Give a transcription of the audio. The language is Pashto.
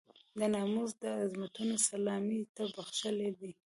د ناموس د عظمتونو سلامي ته بخښلی دی.